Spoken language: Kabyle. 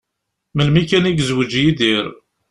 Melmi kan i yezweǧ Yidir.